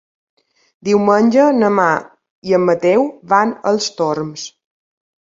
Diumenge na Mar i en Mateu van als Torms.